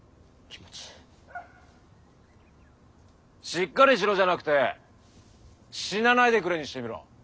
「しっかりしろ」じゃなくて「死なないでくれ」にしてみろ。